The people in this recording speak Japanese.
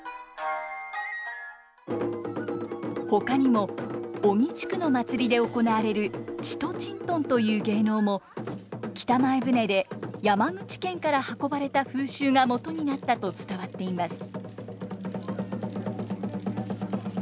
ほかにも小木地区の祭りで行われる「ちとちんとん」という芸能も北前船で山口県から運ばれた風習がもとになったと伝わっています。